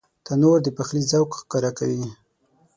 تنور د پخلي ذوق ښکاره کوي